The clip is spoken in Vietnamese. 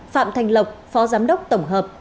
phạm thành lộc phó giám đốc tổng hợp